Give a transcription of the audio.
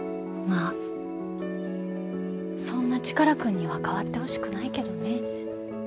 まあそんなチカラくんには変わってほしくないけどね。